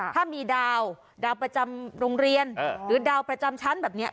ถ้ามีดาวดาวประจำโรงเรียนหรือดาวประจำชั้นแบบนี้